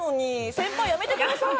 先輩やめてください。